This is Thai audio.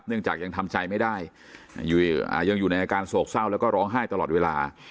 จากยังทำใจไม่ได้ยังอยู่ในอาการโศกเศร้าแล้วก็ร้องไห้ตลอดเวลา